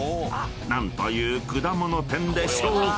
［何という果物店でしょうか？］